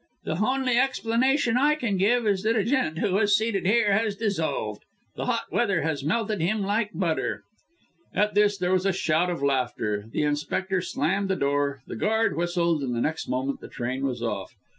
"The honly explanation I can give is that a gent who was seated here has dissolved the hot weather has melted him like butter!" At this there was a shout of laughter, the inspector slammed the door, the guard whistled, and the next moment the train was off.